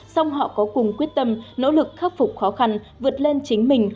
xong họ có cùng quyết tâm nỗ lực khắc phục khó khăn vượt lên chính mình